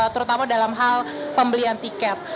terutama dalam hal pembelian tiket